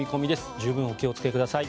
十分お気をつけください。